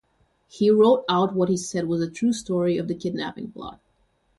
He wrote out what he said was the true story of the kidnapping plot.